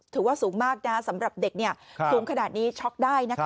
ถือว่าสูงมากนะสำหรับเด็กสูงขนาดนี้ช็อคได้นะครับ